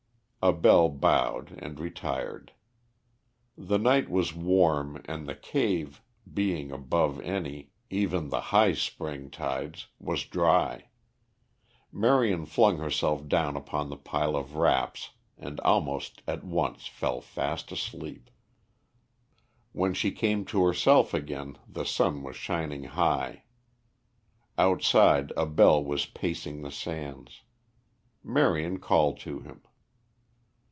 Abell bowed and retired. The night was warm and the cave, being above any, even the high spring tides, was dry. Marion flung herself down upon the pile of wraps and almost at once fell fast asleep. When she came to herself again the sun was shining high. Outside Abell was pacing the sands. Marion called to him.